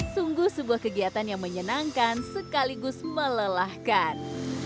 sungguh sebuah kegiatan yang menyenangkan sekaligus melelahkan